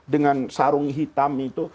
dengan sarung hitam itu